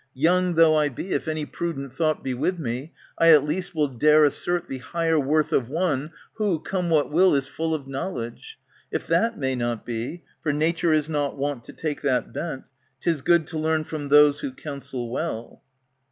Young though I be, if any prudent thought Be with me, I at least will dare assert ^^ The higher worth of one, who, come what will, Is full of knowledge. If that may not be, (For nature is not wont to take that bent,) 'Tis good to learn from those who counsel well.